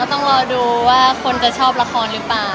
ต้องรอดูว่าคนจะชอบละครหรือเปล่า